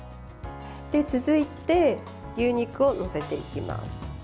続いて、牛肉を載せていきます。